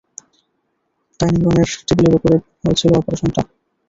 Dining রুমের টেবিলের ওপরে হয়েছিল অপারেশনটা।